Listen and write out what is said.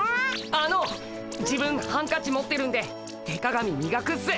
あの自分ハンカチ持ってるんで手鏡みがくっす。